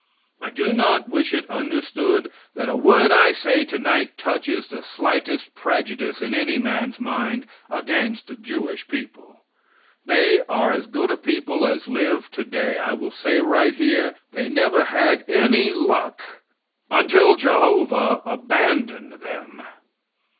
I do not wish it understood that a word I say tonight touches the slightest prejudice in any man's mind against the Jewish people. They are as good a people as live today. I will say right here, they never had any luck until Jehovah abandoned them.